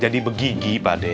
jadi begigi pakde